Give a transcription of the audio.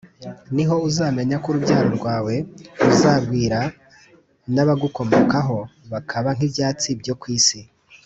ni ho uzamenya ko urubyaro rwawe ruzagwira, n’abagukomokaho bakaba nk’ibyatsi byo ku isi